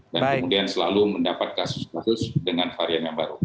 dan kemudian selalu mendapat kasus kasus dengan varian yang baru